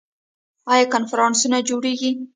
آیا کنفرانسونه جوړیږي؟